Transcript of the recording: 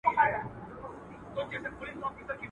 خوار کور له دېواله معلومېږي.